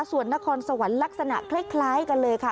ส่วนนครสวรรค์ลักษณะคล้ายกันเลยค่ะ